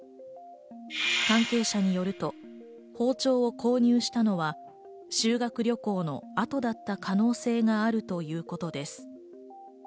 関係者によると、包丁を購入したのは修学旅行の後だった可能性があるということです。